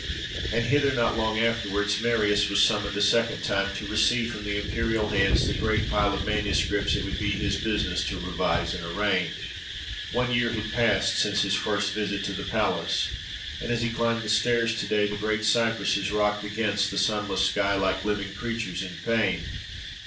And hither, not long afterwards, Marius was summoned a second time, to receive from the imperial hands the great pile of Manuscripts it would be his business to revise and arrange. One year had passed since his first visit to the palace; and as he climbed the stairs to day, the great cypresses rocked against the sunless sky, like living creatures in pain.